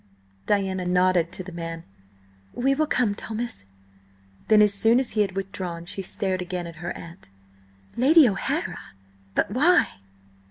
Diana nodded to the man. "We will come, Thomas." Then as soon as he had withdrawn, she stared again at her aunt. "Lady O'Hara! But why?"